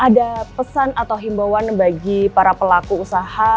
ada pesan atau himbauan bagi para pelaku usaha